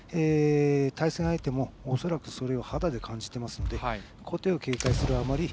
対戦相手も恐らくそれを肌で感じていますので小手を警戒するあまり